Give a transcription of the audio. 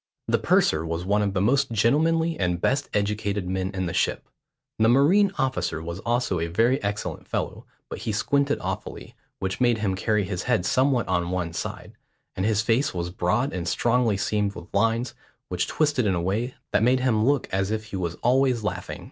The purser was one of the most gentlemanly and best educated men in the ship. The marine officer was also a very excellent fellow, but he squinted awfully, which made him carry his head somewhat on one side; and his face was broad and strongly seamed with lines, which twisted in a way that made him look as if he was always laughing.